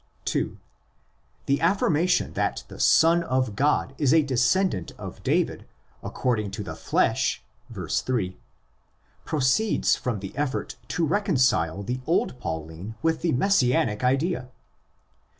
(2) The affirmation that the Son of God is a descendant of David according to the flesh (verse 8) proceeds from the effort to reconcile the old Pauline with the Messianic idea.